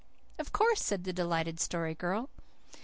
"Of course," said the delighted Story Girl.